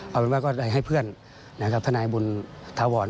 เอาเป็นว่าก็ได้ให้เพื่อนนะครับทนายบุญถาวร